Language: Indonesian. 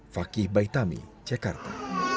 fakih baitami jakarta